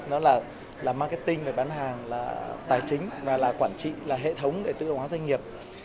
nó là marketing bán hàng tài chính và quản trị hệ thống để tự hóa doanh nghiệp